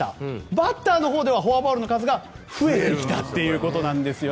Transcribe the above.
バッターのほうではフォアボールの数が増えてきたということなんです。